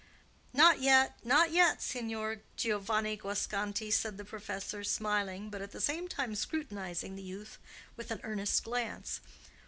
"Not yet, not yet, Signor Giovanni Guasconti," said the professor, smiling, but at the same time scrutinizing the youth with an earnest glance.